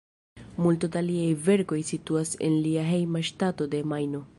Multo da liaj verkoj situas en lia hejma ŝtato de Majno.